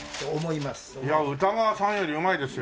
いや歌川さんよりうまいですよ。